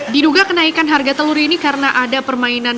diduga kenaikan harga telur ini karena ada permainan